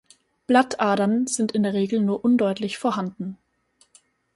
Blattadern sind in der Regel nur undeutlich vorhanden.